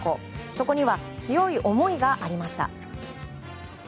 そこには強い思いがありました。